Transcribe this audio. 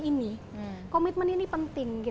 ini komitmen ini penting